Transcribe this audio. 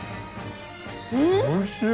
おいしい。